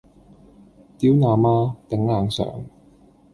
掉哪媽！頂硬上！